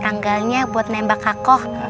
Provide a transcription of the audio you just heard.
tanggalnya buat nembak kako